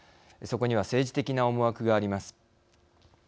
そこには政治的な思惑があります。